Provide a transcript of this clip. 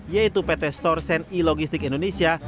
yaitu pt stor sen i logistik indonesia